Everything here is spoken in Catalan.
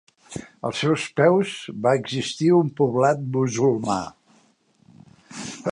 Als seus peus va existir un poblat musulmà.